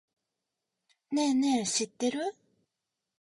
ねぇねぇ、知ってる？